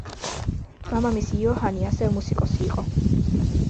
მამამისი იოჰანი ასევე მუსიკოსი იყო.